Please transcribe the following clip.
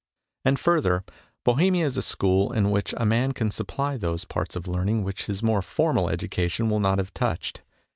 And further, Bohemia is a school in which a man can supply those parts of learning which his more formal education will not have touched.